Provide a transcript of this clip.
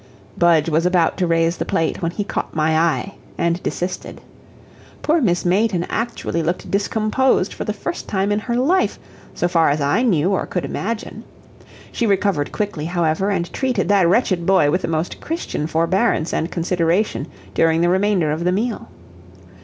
Budge was about to raise the plate when he caught my eye and desisted. Poor Miss Mayton actually looked discomposed for the first time in her life, so far as I knew or could imagine. She recovered quickly, however, and treated that wretched boy with the most Christian forbearance and consideration during the remainder of the meal.